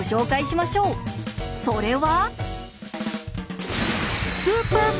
それは。